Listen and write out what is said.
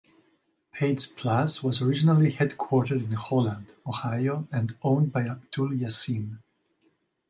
Page Plus was originally headquartered in Holland, Ohio, and owned by Abdul Yassine.